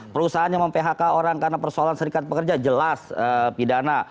perusahaan yang mem phk orang karena persoalan serikat pekerja jelas pidana